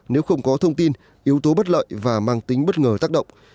nếu không có thông tin yếu tố bất lợi và mang tính bất ngờ tác động